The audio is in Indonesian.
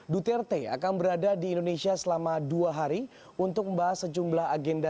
duterte akan berada di indonesia selama dua hari untuk membahas sejumlah agenda